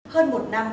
hơn một năm